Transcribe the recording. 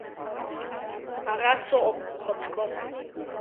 Ара сыҟоуп, ухаҵкы!